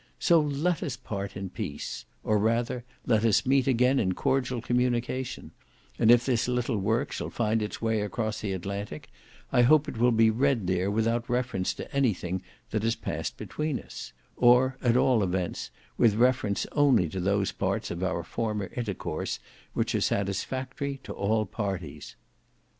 So let us part in peace; or, rather, let us meet again in cordial communication; and if this little work shall find its way across the Atlantic, I hope it will be read there without reference to anything that has passed between us; or, at all events, with reference only to those parts of our former intercourse, which are satisfactory to all parties."